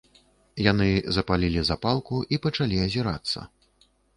Яны запалілі запалку і пачалі азірацца.